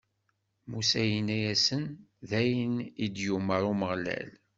Musa yenna-asen: D ayen i d-yumeṛ Umeɣlal.